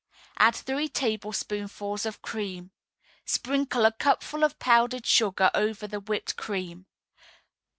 Add three tablespoonfuls of cream. Sprinkle a cupful of powdered sugar over the whipped cream.